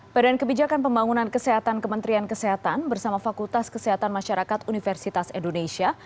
badan kebijakan pembangunan kesehatan kementerian kesehatan bersama fakultas kesehatan masyarakat universitas indonesia